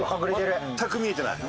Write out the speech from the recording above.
全く見えてない。